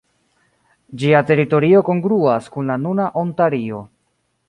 Ĝia teritorio kongruas kun la nuna Ontario.